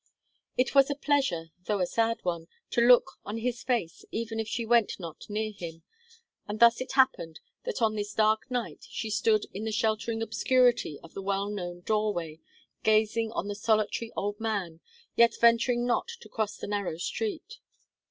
It was a pleasure, though a sad one, to look on his face, even if she went not near him; and thus it happened, that on this dark night she stood in the sheltering obscurity of the well known doorway, gazing on the solitary old man, yet venturing not to cross the narrow street.